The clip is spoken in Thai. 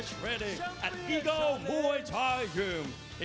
สวัสดีครับทุกคน